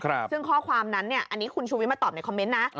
ซึ่งข้อความนั้นเนี่ยอันนี้คุณชูวิทมาตอบในคอมเมนต์นะ